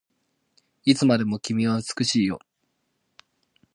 いつまでも君は美しいよ